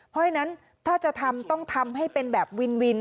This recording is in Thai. เพราะฉะนั้นถ้าจะทำต้องทำให้เป็นแบบวินวิน